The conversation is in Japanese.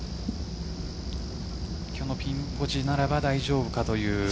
今日のピンポジならば大丈夫かという。